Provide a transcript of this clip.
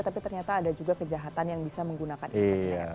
tapi ternyata ada juga kejahatan yang bisa menggunakan itu